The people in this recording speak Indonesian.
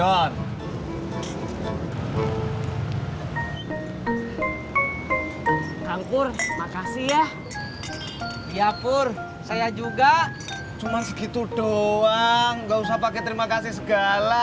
kangkur makasih ya ya pur saya juga cuma segitu doang gak usah pakai terima kasih segala